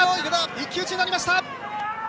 一騎打ちになりました！